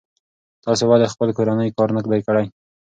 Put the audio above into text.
تاسې ولې خپل کورنی کار نه دی کړی؟